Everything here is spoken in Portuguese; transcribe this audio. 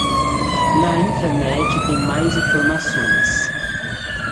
Na intranet tem mais informações